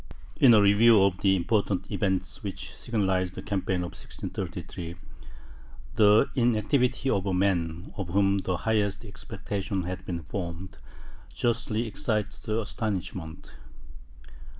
In a review of the important events which signalized the campaign of 1633, the inactivity of a man, of whom the highest expectations had been formed, justly excites astonishment.